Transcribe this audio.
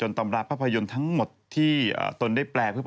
น้ำผู้ป่ะน้ำผู้ป่ะ